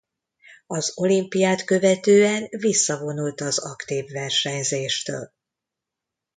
Az olimpiát követően visszavonult az aktív versenyzéstől.